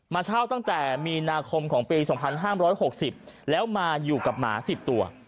เช่าตั้งแต่มีนาคมของปี๒๕๖๐แล้วมาอยู่กับหมา๑๐ตัว